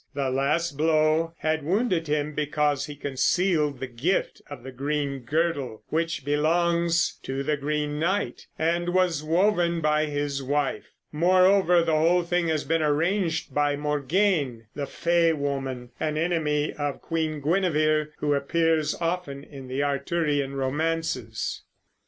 The last blow had wounded him because he concealed the gift of the green girdle, which belongs to the Green Knight and was woven by his wife. Moreover, the whole thing has been arranged by Morgain the fay woman (an enemy of Queen Guinevere, who appears often in the Arthurian romances).